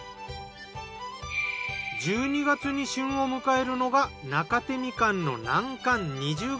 １２月に旬を迎えるのが中生みかんの南柑２０号。